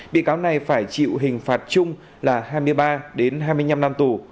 bị cáo này phải chịu hình phạt chung là hai mươi ba đến hai mươi năm năm tù